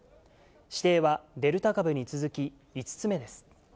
指定はデルタ株に続き５つ目です。